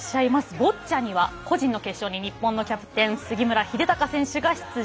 ボッチャには個人の決勝に日本のキャプテン杉村英孝選手が出場。